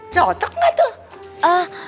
cocok enggak tuh